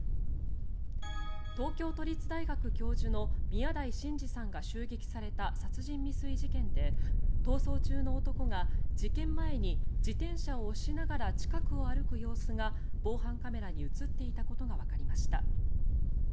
東京都立大学教授の宮台真司さんが襲撃された殺人未遂事件で、逃走中の男が事件前に、自転車を押しながら近くを歩く様子が防犯カメラに映っていたことがわかりました。